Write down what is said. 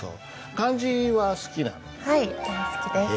漢字は好きなんだよね？